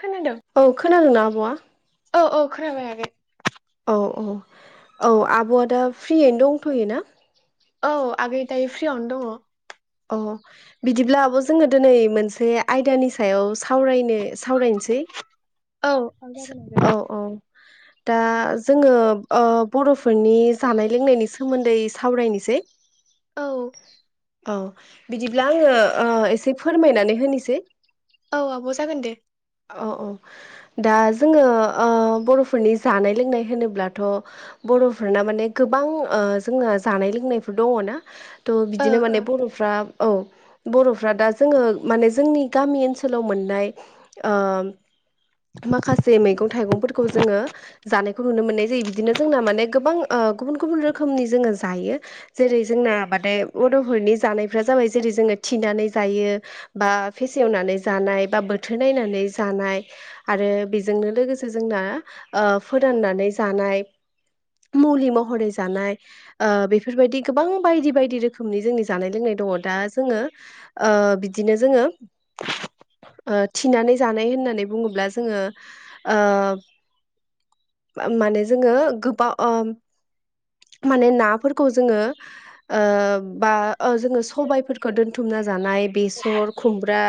खोनादों औ खोनादोंना आब'आ औ औ खोनाबाय आगै औ औ औ आब'आ दा फ्रियैनो दंथ'योना औ आगै दायो फ्रियावनो दङ अ बिदिब्ला आब' जोंङो दिनै मोनसे आयदानि सायाव सावरायनो-सावरायनो औ अ औ [inaudible] दा जोंङो ओ बर'फोरनि जानाय लोंनायनि सोमोन्दै सावरायनोसै। औ। औ बिदिब्ला आंङो ओ एसे फोरमायनानै होनिसै औ आब' जागोन दे। अ औ दा जोंङो ओ बर'फोरनि जानाय लोंनाय होनोब्लाथ' बर'फोरना माने गोबां ओ जोंहा जानाय लोंनायफोर दङ ना थ' ओ बिदिनो ओ माने बर'फ्रा औ बर'फ्रा दा जोंङो माने जोंनि गामि ओनसोलाव मोननाय ओ माखासे मैगं थाइगंफोरखौ जोंङो जानायखौ नुनो मोननाय जायो बिदिनो जोंना माने गोबां ओ गुबुन-गुबुन रोखोमनि जोंङो जायो। जेरै जोंनाबादथाय बड'फोरनि जानायफ्रा जाबाय जेरै जोंङो थिनानै जायो। बा फेसेवनानै जानाय बा बोथोर नायनानै जानाय। आरो बेजोंनो लोगोसे जोंना ओ फोराननानै जानाय। मुलि महरै जानाय ओ बेफोरबायदि गोबां बायदि-बायदि रोखोमनि जोंनि जानाय लोंनाय दङ दा जोंङो ओ बिदिनो जोंङो ओ थिनानै जानाय होननानै बुङोब्ला जोंङो ओ माने जोंङो गोबां ओ माने नाफोरखौ जोंङो ओ बा ओ जोंङो सबायफोरखौ दोन्थुमना जानाय बेसर खुमब्रा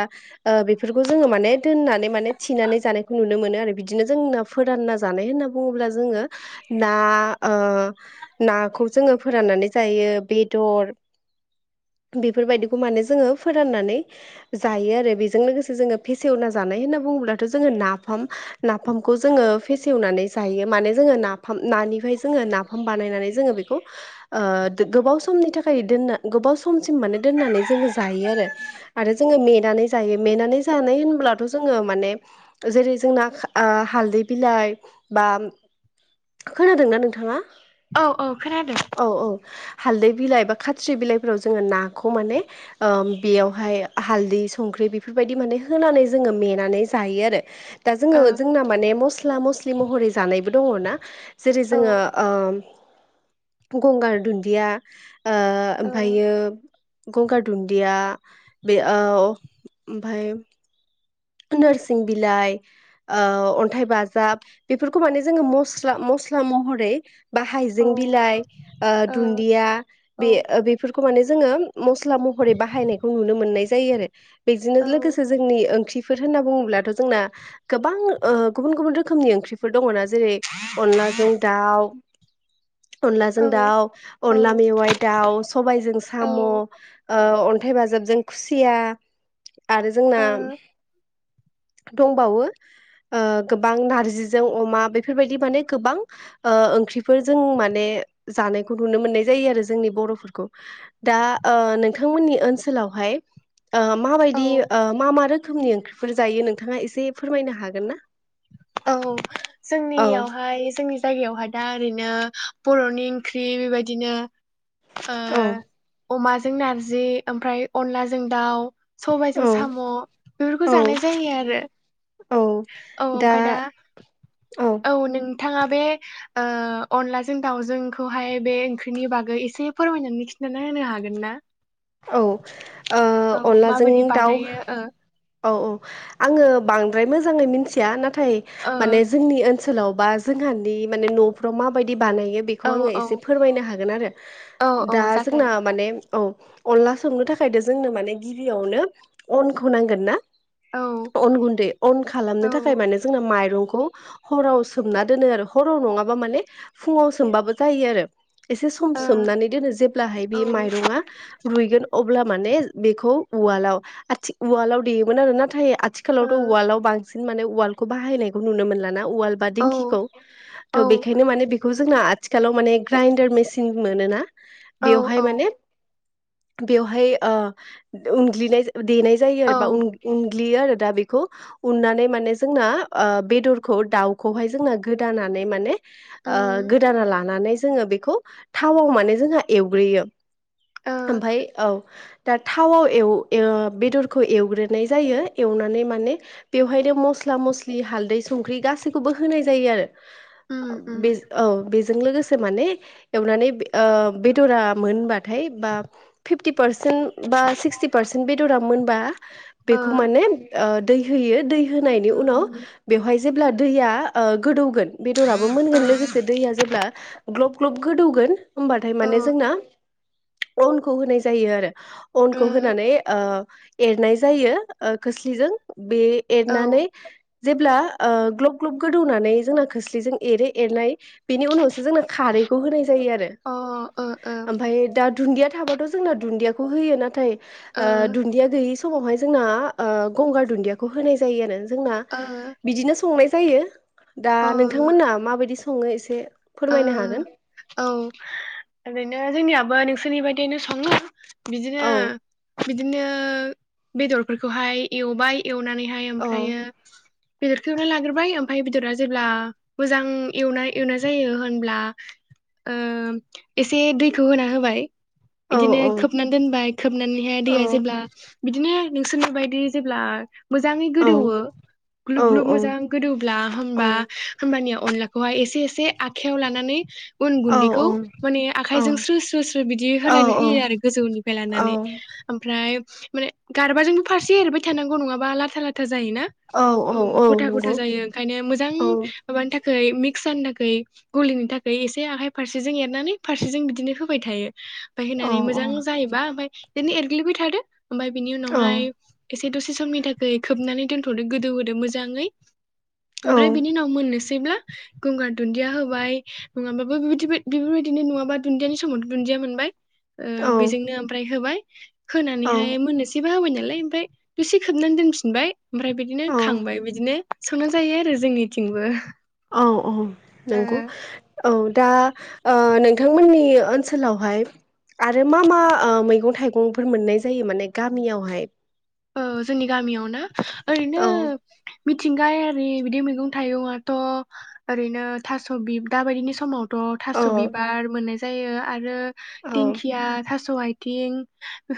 ओ बेफोरखौ जोंङो माने दोननानै माने थिनानै जानायखौ नुनो मोनो आरो बिदिनो जोंना फोरानना जानाय होनना बुङोब्ला जोंङो ना ओ नाखौ जोंङो फोराननानै जायो बेदर बेफोरबायदिखौ माने जोंङो फोराननानै जायो आरो बेजों लोगोसे जोंङो फेसेवना जानाय होनना बुङोब्लाथ' जोंङो नाफाम नाफामखौ जोंङो फेसेवनानै जायो माने जोंङो नाफाम नानिफ्राय जोंङो ना फाम बानायनानै जोंङो बेखौ ओ गोबाव समनि थाखाय दोनना गोबाव समसिम माने दोननानै जोंङो जायो आरो। आरो जोंङो मेनानै जायो मेनानै जानाय होनब्लाथ' जोंङो माने जेरै जोंना ओ हालदै बिलाइ बा खोनादोंना नोंथाङा औ औ खोनादों। औ औ हालदै बिलाइ बा खाथ्रि बिलाइफोराव जोंङो नाखौ माने ओ बेयावहाय हालदै संख्रि बेफोरबायदि माने होनानै जोंङो मेनानै जायो आरो। दा जोंङो ओ जोंना माने मस्ला मस्लि महरै जानायबो दङ ना। जेरै औ जोंङो ओ गंगार दुन्दिया ओ ओ ओमफ्रायो गंगार दुन्दिया बे ओ ओमफाय नोरसिं बिलाइ ओ अन्थाइ बाजाब बेफोरखौ माने जोंङो मस्ला-मस्ला महरै बा हाइजें बिलाइ ओ दुन्दिया बे-बेफोरखौ माने जोंङो मस्ला महरै बाहायनायखौ नुनो मोननाय जायो आरो। बेजोंनो औ लोगोसे जोंनि ओंख्रि बेफोर होनना बुंङोब्लाथ' जोंना गोबां ओ गुबुन-गुबुन रोखोमनि ओंख्रिफोर दंङना जेरैय अनला जों दाउ औ अनलाजों दाउ अनला मेवाइ दाउ सबायजों औ साम ओ अन्थाइ बाजाबजों खुसिया आरो जोंना दंबावो ओ गोबां नारजिजों अमा बेफोरबायदि माने गोबां ओ ओंख्रिफोर जों माने जानायखौ नुनो मोननाय जायो आरो जोंनि बर फोरखौ दा ओ नोंथांमोननि ओनसोलावहाय ओ औ माबायदि मा मा रोखोम रोखोमनि ओंख्रिफोर जायो नोंथांङा एसे फोरमायनो हागोन ना। औव औ जोंनियावहाय जोंनि जायगायावहाय दा ओरैनो बर नि ओंख्रि बेबायदिनो औ ओ अमाजों नारजि ओमफ्राय अनलाजों दाउ सबायाइजों औ साम बेफोरखौ जानाय औ जायो आरो। औ औ ओमफफ्राय दा औ नोंथांङा दा बे ओ अनलाजों दाउजोंखौहाय बे ओंख्रिनि बागै एसे फोरमायनानै खि ा होनो हागोन ना? औ ओ औ अनलाजों माबोरै दाउ बानायो ओ औ औ आंङो बांद्राय मोजांङै मिन्थिया नाथाय माने जोंनि ओनसोलाव बा जोंहानि माने नफ्राव माबायदि बानायो बेखै ओ आंङो औ एसे फोरमायनो हागोन आरो औ औ दा जागोन जोंना माने औ अनला संमनो थाखायदा जोंनो माने गिबियावनो अनखौ नांगोन ना औ अन गुन्दै अन औ खालामनो थाखाय ओ माने- जोंना माइरंखौ हराव सोमना दोनो आरो हराव नंङाबा माने फुंङाव सोमबाबो जायो। आरो एसे सम औ सोमनानै दोनो जेब्लाहाय बे ओ माइरंङा रुइगोन अब्ला माने बेखौ उवालाव आथि उवालाव देयोमोन आरो नाथाय आथिखालावथ ववाल्डआव बांसिन माने ववाल्डखौ बाहायनायखौ नुनो मोनलाना। ववाल्डबा औ दिंखि औ त बेखायनो माने बबेखौ - जोंना आथिखालाव माने ग्राइन्डार मेसिन मोनोना औ बेवहाय माने औ बेवहाय ओ उनग्लिनाय देनाय जायो औ आरो बा उनग्लियो आरो दा बेखौ उननानै माने जोंना बेदरखौ दाउखौहाय जोंना गोदानानै माने ओ उम गोदाना लानानै जोंङो बेखौ थावाव माने जोंहा एवग्रोयो ओ ओमफ्राय औव दा थावआव एउ ओ बेदरखौ एवग्रोनाय जायो एवनानै माने बेवहायनो मस्ला मस्लि हालदै संख्रि गासैखौबो होनाय जायो आरो उम उम बे- औ बेजों लोगोसे माने एवनानै ओ बेदरा मोनबाथाय बा फिफ्टि पारसेन्ट बा सिक्सटि पारसेन्ट बेदरा मोनबा ओ बेखौ माने दै होयो दै होनायनि उनाव उम बेवहाय जेब्ला दैया ओ गोदौगोन बेदराबो ओ मोनगोन लोगोसे दैया जेब्ला ग्लब ग्लब गोदौगोन होमबाथाय ओ माने जोंना अनखौ होनाय जायो आरो अनखौ ओ होनानै ओ एरनाय जायो ओ खोस्लिजों बे एरनानै जेब्ला ओ ग्लब ग्लब गोदौनानै जोंना खोस्लिजों एरो एरनाय बेनि उनावसो जोंना खारैखौ होनाय जायो आरो औ अ ओ ओ ओमफ्राय दा दुन्दिया थाबाथ जोंना दुन्दियाखौ होयो नाथाय ओ दुन्दिया गौयि स मावहाय जोंना ओ गंगार दुन्दियाखौ होनाय जायो आरो जोंना बिदिनो संनाय जायो दा ओ नोंथांमोना माबायदि सङो एसे ओ फोरमायनो हागोन औ ओरैनो जोंनियाबो नोंसोरनि बायदिनो सङो। बिदिनो औ बिदिनो बेदरफोरखौहाय एवबाय एवनानैहाय औ ओमफ्रायो बेदरखौ एवना लाग्रोबाय ओमफ्राय बेदरा जेब्ला मोजां एवनाय एवनाय जायो होनब्ला ओ एसे दैखौ होना होबाय। औ बिदिनो खोबनानै दोनबाय खोबनानैहाय दैया जेब्ला बिदिनो नोंसोरनि बायदि जेब्ला मोजाङै औ गोदौओ ग्लुब औ ग्लुब मोजां गोदौब्ला औ होमबा होमबानिया अनलाखौहाय एसे एसे आखाइायाव लानानै उन औ गुन्दैखौ माने आखायजों स्रु स्रु स्रु बिदि औ होलायनो होयो आरो गोजौनिफ्राय लानानै। ओमफ्राय माने गारबाजोंबो फारसे एरबाय थानांगौ नङाबा लाथा लाथा जायोना। औ गथा गथा जायो ओंखायनो मोजां औ माबानि थाखाय मिक्स जानो थाखाय गलिनि थाखाय एसे आखाइ फारसेजों एरनानै फारसेजों बिदिनो होबाय थायो। ओमफ्राय औ होननानै मोजां औ जायोबा ओमफ्राय बिदिनो एरग्लिबाय थादो ओमफ्राय बिनि औ उनावहाय ए से दसे समनि थाखाय खोबनानै दोनथ'दो गोदौहोदो मोजाङै औ ओमफ्राय बिनि उनाव मोननो सैब्ला गंगार दुन्दिया हो बाय नङाबाबो बेफोबादि बेफोरबायदिनो नङाबा दुन्दियानि समाव दुन्दिया मोनबाय ओ औ बेजोंनो ओमफ्राय होबाय औ होनानैहाय मोननोसैबा होबाय नालाय ओमफ्राय दुसे खोबनानै दोनफिनबाय ओमफ्राय बिदिनो औ खांबाय बिदिनो संना जायो आरो जोंनिथिंबो। औ औ ओ नंगौ। औ दा ओ नोंथांमोननि ओनसोलावहाय आरो मा मा ओ मैगं-थाइगंफोर मोननाय जायो माने गामियावहाय? औ जोंनि गामियाव ना। ओरैनो औ मिथिंगायारि बिदि मैगं-थाइगंआथ' ओरैनो थास' बि दा बायदिनि समाव थ' थास' औ बिबार मोननाय जायो आरो औ दिंखिया, थास' आइथिं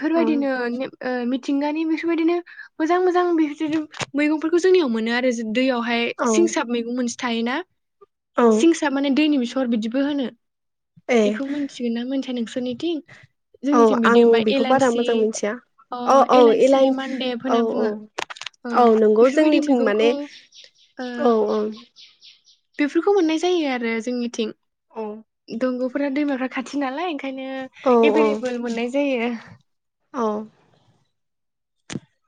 औ ओ मिथिंगानि बेफोरबायदिनो मोजां मोजां बेनो मैगंफोरखौ जोंनियाव मोनो आरो दैयावहाय औ सिंसा मैगं मोनसे थायोना औ सिंसा माने दैनि बेसर बिदिबो होनो। ए बेखौ मिथिगोन ना मोनथिया नोंसोरनिथिं औ जोंनिथिं बिदि आं होनबा बेखौ बारा एलायसि मोजां मिथिया अ औ औ एलानसि एलाइन मानदेब औ होनना औ बुङो। ओ औ नंगौ बेफोरबायदि जोंनिथिं मैगंखौ माने ओ औ बेफोरखौ मोननाय जायो आरो जोंनिथिं औ दंग'फोरा दैमाफ्रा खाथि नालाय ओंखायनो औ औ एभेलेबोल मोननाय जायो। औ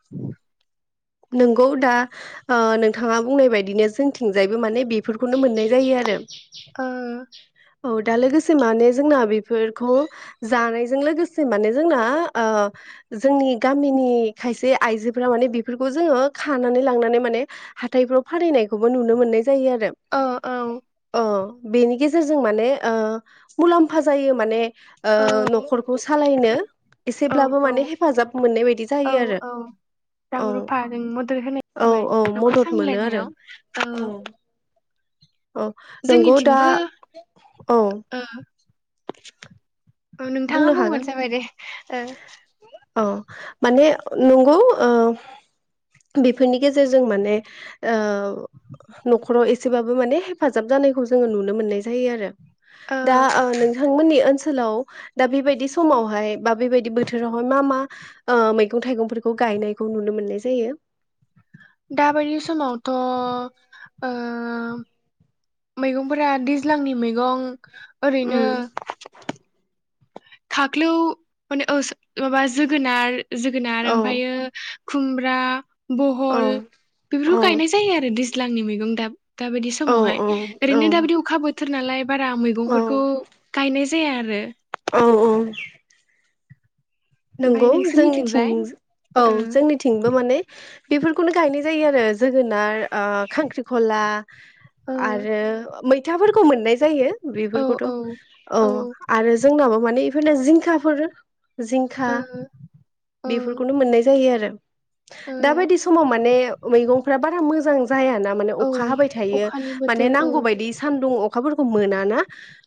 [inaudible] नंगौ दा ओ नोंथाङा बुंनाय बायदिनो जोंथिंजायबो माने बेफोरखौनो मोननाय जायो आरो। ओ औ दा लोगोसे माने जोंना बेफोरखौ जानायजों लोगोसे माने जोंना ओ जोंनि गामिनि खायसे आइजोफोरा माने बे फोरखौ जोङो खानानै लांनानै माने हाथायफ्राव फानायखौबो नुनो मोननाय जायो आरो औ औ औ। बेनि गेजेरजों माने ओ मुलाम्फा जायो माने ओ औ न'खरखौ सालायनो औ एसेब्लाबो माने औ हेफाजाब मोननाय बायदि औ जायो आरो। औ रां औ रुफा जों मदद होनाय औ जाबाय औ न'खर मदद मोनो आरो सामलायनायाव ओ औ नोंगौ दा जोंनिथिंबो औ। औ नोंथाङा बुंनो बुंबानो जाबाय दे ओ। अ माने नंगौ ओ बेफोरनि गेजेरजों माने ओ न'खराव एसेबाबो माने हेफाजाब जानायखौ जोङो नुनो मोननाय जायो आरो। ओ दा आ नोंथांमोननि ओनसोलाव दा बेबायदि समावहाय बा बेबायदि बोथोरावहाय मा मा ओ मैगं थाइगंफोरखौ गायनायखौ नुनो मोन्नाय जायो। दाबायदि समावथ' ओ मैगंफोरा दैज्लांनि मैगं ओरैनो उम खाख्लौ माने ओ माबा जोगोनार जोगोनार औ ओमफ्रायो खुमब्रा, औ बहल औ बेफोरखौ गायनाय जायो आरो दैज्लांनि मैगं दा दाबायदि औ समावहाय। औ ओरैनो दाबायदि अखा बो थोर नालाय बारा औ मैगंफोरखौ गायनाय जाया आरो। औ औ। नंगौ ओमफ्राय जोंनिथिं नोंसोरनिथिंजाय औ ओ जोंनि थिंबो माने बेफोरखौनो गायनाय जायो आरो जोगोनार ओ खांख्रिखला आरो मैथाफोरखौ मोननाय जायो औ बेफोरखौथ' औ औ ओ आरो जोंनाबो माने इफोरनो जिंखाफोर जिं खा ओ बेफोरखौनो मोननाय जायो आरो। ओ दा बायदि समाव माने मैगंफोरा बारा मोजां जायाना माने औ अखा हाबाय थायो अखानि माने बोथोर औ नांगौबादि सान्दुं अ अखाफोरखौ मोना ना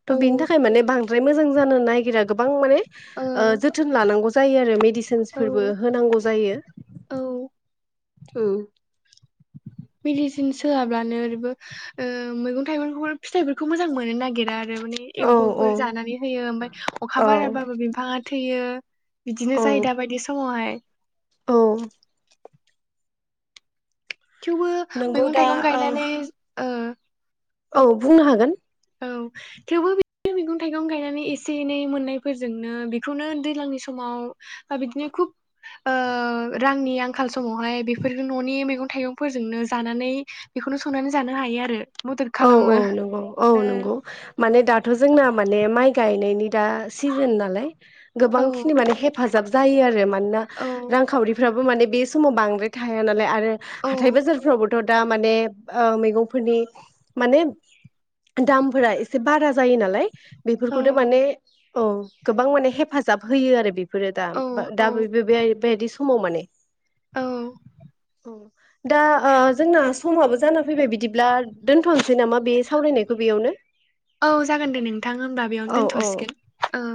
थ' औ बिनि थाखाय माने बांद्राय मोजां जानो नायगिरा गोबां माने ओ जोथोन लानांगौ जायो आरो मेडिसिनसफोरबो औ होनांगौ जायो। औ ओम। मेडिसिन होआब्लानो ओरैबो ओ मैगं थाइगंखौ फिथाइफोरखौ मोजां मोननो नागिरा आरो माने औ औ एम्फौफोर जानानै होयो ओमफ्राय अखा औ बाराबाबो बिफाङा थैयो। बिदिनो औ जायो दाबायदि समावहाय। औ। थेवबो नोंगौ मैगं दा थाइगं गायनानै ओ औ बुंनो हागोन। औ थेवबो मैगं थाइगं गायनानै एसे एनै मोननायफोरजोंनो बेखौनो दैज्लांनि समाव बा बिदिनो खुब ओ रांनि आंखाल समावहाय बेफोर न'नि मैगं थाइगंफोरजोंनो जानानै बेखौनो संनानै जानो हायो आरो मदद औ औ खालामो। नंगौ औ नंगौ ओ माने दाथ' जोंना माने माइ गायनायनि दा सिजन नालाय गोबांखिनि औ माने हेफाजाब जायो आरो मानोना औ रांखावरिफ्राबो माने बे समाव बांद्राय थाया नालाय आरो औ हाथाय बाजारफ्रावबोथ' दा माने ओ मैगंफोरनि माने दामफोरा एसे बारा जायो नालाय औ बेफोरखौनो माने, औ गोबां माने हेफाजाब होयो आरो बेफोरो दा औ औ दा बे बिदि समाव माने। औ दा ओ जोंना समाबो जाना फैबाय बिदिब्ला दोनथ' सै नामा बे सावरायनायखौ बेयावनो। औ जागोन दे नोंथां होमबा बेयावनो औ दोनथ' औ सिगोन औ।